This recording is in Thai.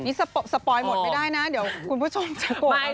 นี่สปอยหมดไปได้นะเดี๋ยวคุณผู้ชมจะกลัวแล้วนะ